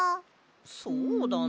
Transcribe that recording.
そうだな。